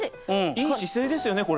いい姿勢ですよねこれ。